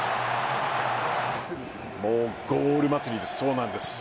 もうゴール祭りです。